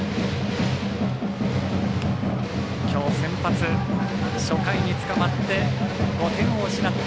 きょう先発、初回につかまって５点を失った